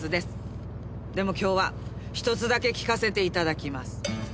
でも今日は１つだけ聞かせて頂きます。